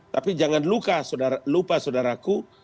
tapi jangan lupa saudaraku